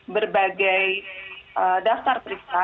berbagai daftar periksa